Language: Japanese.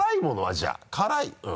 じゃあ辛い。